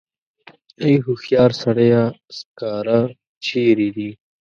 ای هوښیار سړیه سکاره چېرې دي.